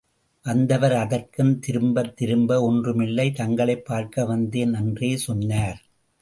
வந்தவர் அதற்கும், திரும்பத் திரும்ப— ஒன்றுமில்லை, தங்களைப் பார்க்க வந்தேன் என்றே சொன்னார்.